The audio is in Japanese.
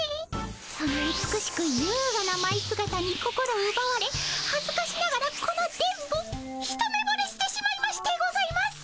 その美しくゆうがなまいすがたに心うばわれはずかしながらこの電ボ一目ぼれしてしまいましてございます。